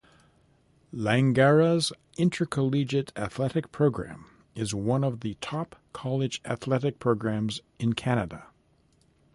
Langara's intercollegiate athletic program is one of the top college athletic programs in Canada.